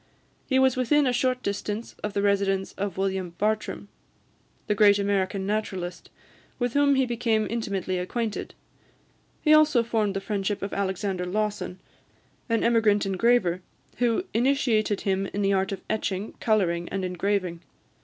He was within a short distance of the residence of William Bartram, the great American naturalist, with whom he became intimately acquainted; he also formed the friendship of Alexander Lawson, an emigrant engraver, who initiated him in the art of etching, colouring, and engraving.